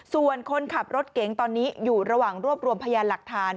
ส่วนคนขับรถเก๋งตอนนี้อยู่ระหว่างรวบรวมพยานหลักฐาน